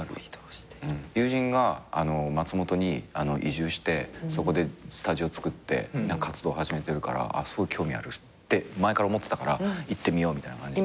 友人が松本に移住してそこでスタジオつくって活動始めてるからすごい興味あるって前から思ってたから行ってみようみたいな感じで。